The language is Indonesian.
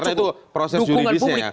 karena itu proses juridisnya ya